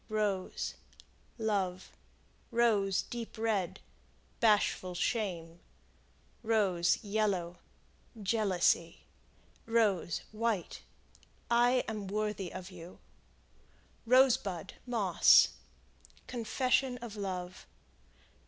Rose Love. Rose, Deep Red Bashful shame. Rose, Yellow Jealousy. Rose, White I am worthy of you. Rosebud, Moss Confession of love.